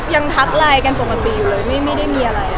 ทักไลน์กันปกติอยู่เลยไม่ได้มีอะไร